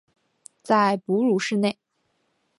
在哺乳室内